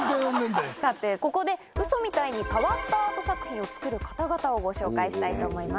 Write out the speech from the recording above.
さてここでウソみたいに変わったアート作品を作る方々をご紹介したいと思います。